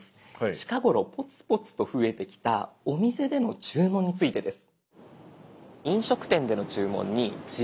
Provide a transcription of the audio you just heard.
近頃ポツポツと増えてきたお店での注文についてです。